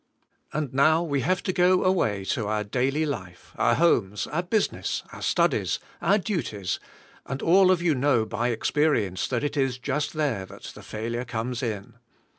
And now we have to go away to our daily life, our homes, our business, our studies, our duties, and all of you know by experience that it is just there that the failure comes in.